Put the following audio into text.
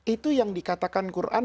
itu yang dikatakan quran